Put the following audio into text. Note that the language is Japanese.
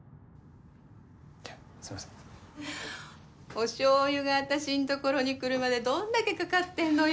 おしょうゆが私のところに来るまでどんだけかかってんのよ。